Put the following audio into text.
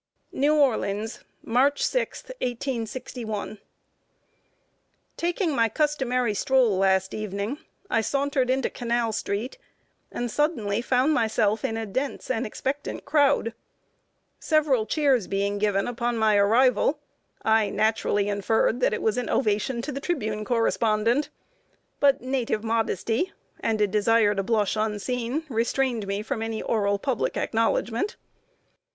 NEW ORLEANS, March 6, 1861. Taking my customary stroll last evening, I sauntered into Canal street, and suddenly found myself in a dense and expectant crowd. Several cheers being given upon my arrival, I naturally inferred that it was an ovation to The Tribune correspondent; but native modesty, and a desire to blush unseen, restrained me from any oral public acknowledgment. [Sidenote: TRIBUNE LETTERS. GENERAL TWIGGS.